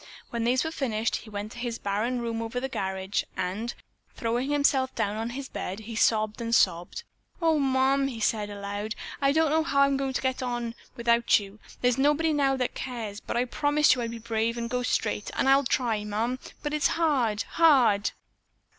When these were finished, he went to his barren room over the garage, and, throwing himself down on his bed, he sobbed and sobbed. "Oh, Mom," he said aloud, "I don't know how I'm going to get on without you. There's nobody now that cares, but I promised you I'd be brave and go straight, and I'll try, Mom, but it's hard, hard!"